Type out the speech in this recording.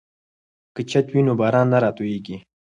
که چت وي نو باران نه راتوییږي.